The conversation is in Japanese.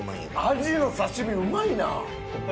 アジの刺身うまいな！